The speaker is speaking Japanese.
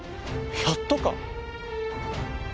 やっとか？